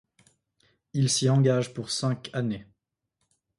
Il s'y engage pour cinq années.